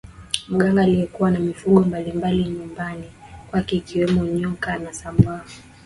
mganga aliyekuwa na mifugo mbalimbali nyumbani kwake ikiwamo nyoka na samba